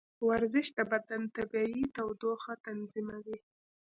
ورزش د بدن طبیعي تودوخه تنظیموي.